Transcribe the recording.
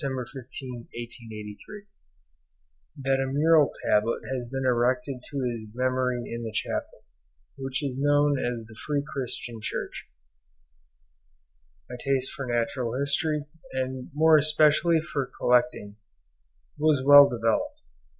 15, 1883) that a mural tablet has been erected to his memory in the chapel, which is now known as the 'Free Christian Church.') my taste for natural history, and more especially for collecting, was well developed.